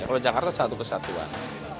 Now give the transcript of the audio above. kalau jakarta satu kesatuan